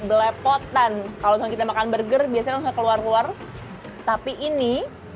belepotan kalau kita makan burger biasanya nggak keluar keluar tapi ini